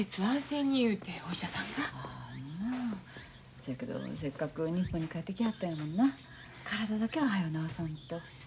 せやけどせっかく日本に帰ってきはったんやもんな体だけははよ治さんと。